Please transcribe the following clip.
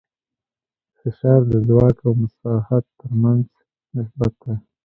فشار د ځواک او مساحت تر منځ نسبت دی.